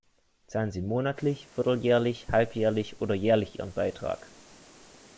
Zahlen sie monatlich, vierteljährlich, halbjährlich oder jährlich ihren Beitrag?